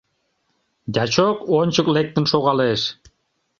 Дьячок ончык лектын шогалеш.